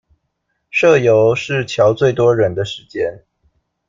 社遊是喬最多人的時間